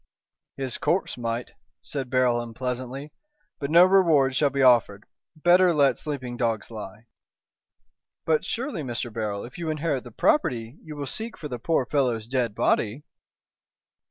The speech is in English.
"His corpse might," said Beryl, unpleasantly, "but no reward shall be offered. Better let sleeping dogs lie." "But surely, Mr. Beryl, if you inherit the property, you will seek for the poor fellow's dead body?"